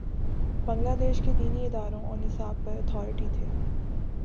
بنگلہ دیش کے دینی اداروں اور نصاب پر اتھارٹی تھے۔